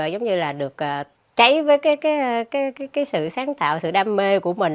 giống như là được cháy với cái sự sáng tạo sự đam mê của mình